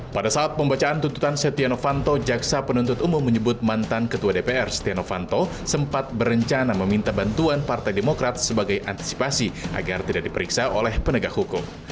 pada saat pembacaan tuntutan setia novanto jaksa penuntut umum menyebut mantan ketua dpr setia novanto sempat berencana meminta bantuan partai demokrat sebagai antisipasi agar tidak diperiksa oleh penegak hukum